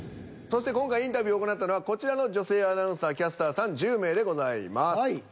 そして今回インタビューを行ったのはこちらの女性アナウンサー・キャスターさん１０名でございます。